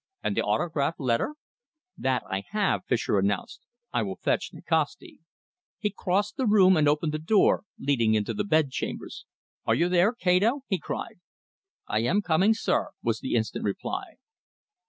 "And the autograph letter?" "That I have," Fischer announced. "I will fetch Nikasti." He crossed the room and opened the door leading into the bedchambers. "Are you there, Kato?" he cried. "I am coming, sir," was the instant reply.